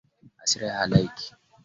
hasira ya halaiki haikawii kwa muda mrefu